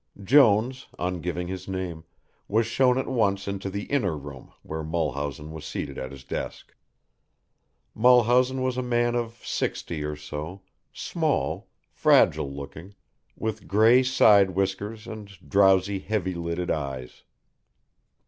Jones, on giving his name, was shown at once into the inner room where Mulhausen was seated at his desk. Mulhausen was a man of sixty or so, small, fragile looking, with grey side whiskers and drowsy heavy lidded eyes.